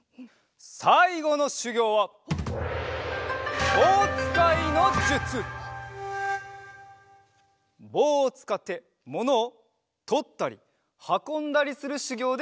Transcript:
さいごのしゅぎょうはぼうをつかってものをとったりはこんだりするしゅぎょうでござる。